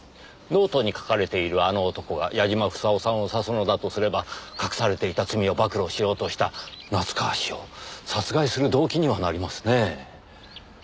ノートに書かれている「あの男」が矢嶋房夫さんを指すのだとすれば隠されていた罪を暴露しようとした夏河氏を殺害する動機にはなりますねぇ。